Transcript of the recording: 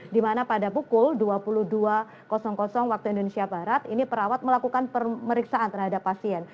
di mana pada pukul dua puluh dua waktu indonesia barat ini perawat melakukan pemeriksaan terhadap pasien